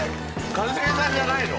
一茂さんじゃないの？